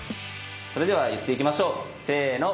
それでは言っていきましょうせの。